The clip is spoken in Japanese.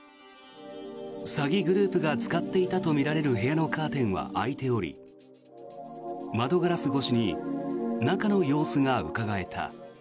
詐欺グループが使っていたとみられる部屋のカーテンは開いており窓ガラス越しに中の様子がうかがえた。